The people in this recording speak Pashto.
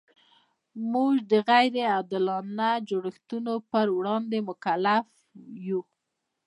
موږ د غیر عادلانه جوړښتونو پر وړاندې مکلف یو.